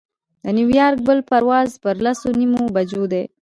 د نیویارک بل پرواز پر لس نیمو بجو دی.